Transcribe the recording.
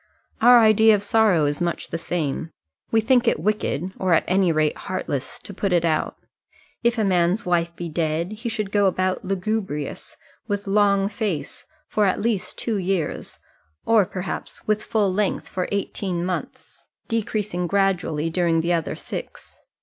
Our idea of sorrow is much the same. We think it wicked, or at any rate heartless, to put it out. If a man's wife be dead, he should go about lugubrious, with long face, for at least two years, or perhaps with full length for eighteen months, decreasing gradually during the other six.